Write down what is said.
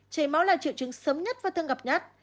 chảy máu là triệu chứng sớm nhất và thường gặp nhất